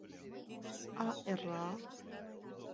— А эрла?